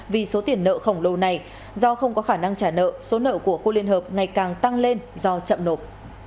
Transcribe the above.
vì số tiền nợ khổng lồ này do không có khả năng trả nợ số nợ của khu liên hợp ngày càng tăng lên do chậm nộp